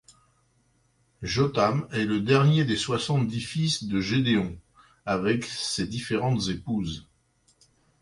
Jotham est le dernier des soixante dix fils de Gédéon avec ses différentes épouses.